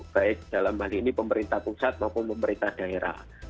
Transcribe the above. baik dalam hal ini pemerintah pusat maupun pemerintah daerah